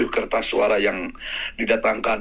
tujuh kertas suara yang didatangkan